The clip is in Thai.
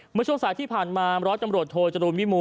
เมื่อช่วงสายที่ผ่านมาร้อยจำรวจโทจรูลมิมู